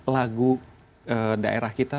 lagu daerah kita